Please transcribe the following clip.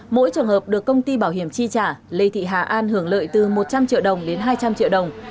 mỗi trường hợp được công ty bảo hiểm chi trả lê thị hà an hưởng lợi từ một trăm linh triệu đồng đến hai trăm linh triệu đồng